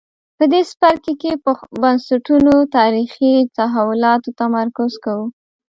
په دې څپرکي کې بنسټونو تاریخي تحولاتو تمرکز کوو.